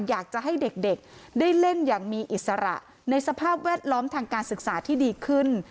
อยากจะให้เด็กได้เล่นอย่างมีอิสระในสภาพแวดล้อมทางการศึกษาที่ดีขึ้น